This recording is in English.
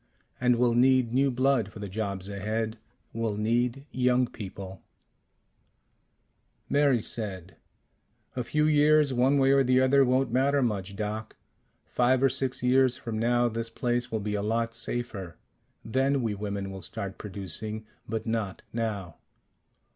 And we'll need new blood for the jobs ahead. We'll need young people " Mary said, "A few years one way or the other won't matter much, Doc. Five or six years from now this place will be a lot safer. Then we women will start producing. But not now."